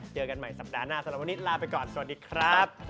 เจอกันใหม่สัปดาห์หน้าสำหรับวันนี้ลาไปก่อนสวัสดีครับ